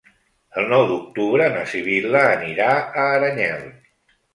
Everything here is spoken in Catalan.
El nou d'octubre na Sibil·la anirà a Aranyel.